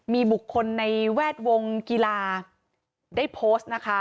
มีบุคคลในแวดวงกีฬาได้โพสต์นะคะ